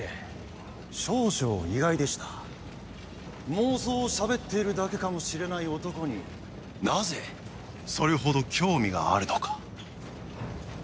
妄想をしゃべっているだけかもしれない男になぜそれほど興味があるのか。